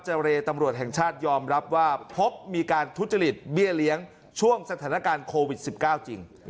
เรย์ตำรวจแห่งชาติยอมรับว่าพบมีการทุจริตเบี้ยเลี้ยงช่วงสถานการณ์โควิด๑๙จริง